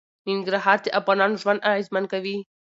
ننګرهار د افغانانو ژوند اغېزمن کوي.